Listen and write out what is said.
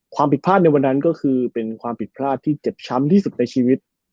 ความผิดพลาดในวันนั้นก็คือเป็นความผิดพลาดที่เจ็บช้ำที่สุดในชีวิต